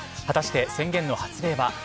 果たして宣言の発令は。